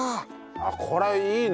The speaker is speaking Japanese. あっこれいいね。